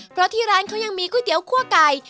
เพราะที่ร้านเขายังมีก๋วยเตี๋ยวคั่วไก่